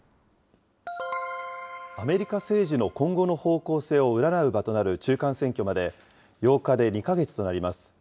アメリカ政治の今後の方向性を占う場となる中間選挙まで、８日で２か月となります。